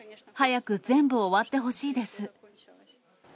早く全部終わってほしいです。